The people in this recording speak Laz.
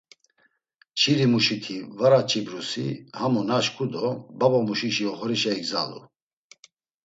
Çilimuşiti var aç̌ibrusi, hamu naşǩu do babamuşişi oxorişa igzalu.